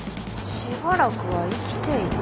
しばらくは生きていた？